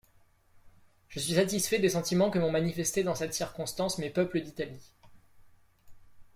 »Je suis satisfait des sentimens que m'ont manifestés dans cette circonstance mes peuples d'Italie.